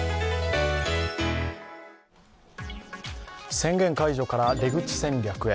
宣言解除から出口戦略へ。